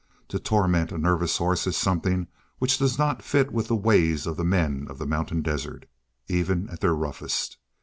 To torment a nervous horse is something which does not fit with the ways of the men of the mountain desert, even at their roughest.